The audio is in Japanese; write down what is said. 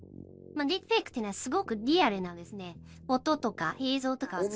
ディープフェイクっていうのはすごくリアルなですね音とか。